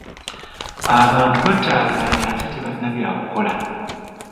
Abantu bataayaaya ate tebalina bya kukola.